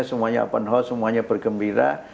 semuanya open house semuanya bergembira